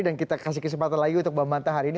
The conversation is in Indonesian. dan kita kasih kesempatan lagi untuk bantah hari ini